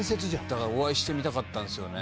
だからお会いしてみたかったんですよね。